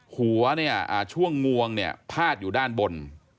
หัวเนี่ยช่วงงวงเนี่ยพาดอยู่ด้านบน